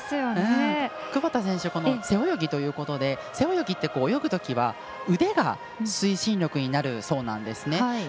窪田選手、背泳ぎということで背泳ぎって泳ぐときは、推進力になるようなんですね。